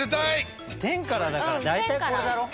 天からだからだいたいこれだろ。